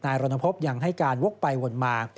รณพบยังให้การวกไปวนมา